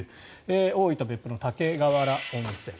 大分・別府の竹瓦温泉。